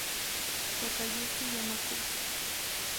Takayuki Yamaguchi